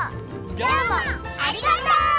どうもありがとう！